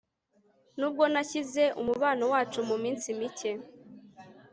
nubwo nashyize umubano wacu muminsi mike